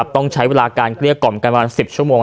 ต้องใช้เวลาการเกลี้ยกล่อมกันประมาณ๑๐ชั่วโมง